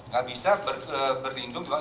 gak bisa berlindung